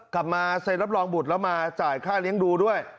มาเซ็นรับรองบุตรแล้วมาจ่ายค่าเลี้ยงดูด้วย